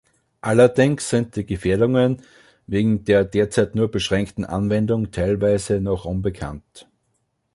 Allerdings sind die Gefährdungen wegen der derzeit nur beschränkten Anwendung teilweise noch unbekannt.